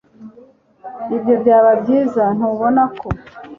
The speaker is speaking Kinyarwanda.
ibyo byaba byiza, ntubona ko